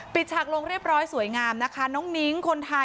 ปิดฉากโลงเรียบร้อยสวยงามนะคะ